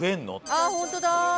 あっ本当だ！